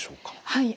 はい。